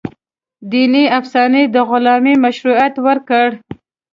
دیني افسانې د غلامۍ مشروعیت ورکړ.